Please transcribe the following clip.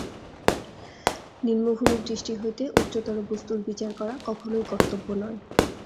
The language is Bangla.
নিম্নভূমির দৃষ্টি হইতে উচ্চতর বস্তুর বিচার করা কখনই কর্তব্য নয়।